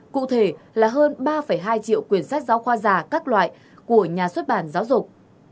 cụ thể là hơn ba hai triệu quyền sách giáo khoa giả các loại của nhà xuất bản giáo dục